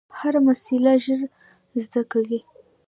هره مسئله ژر زده کوي.